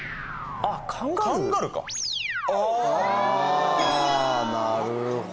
あぁなるほど。